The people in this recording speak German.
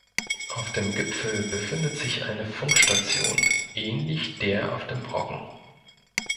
Auf dem Gipfel befindet sich eine Funkstation, ähnlich der auf dem Brocken.